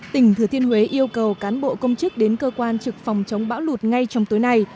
tỉnh thừa thiên huế yêu cầu cán bộ công chức đến cơ quan trực phòng chống bão lụt ngay trong tối nay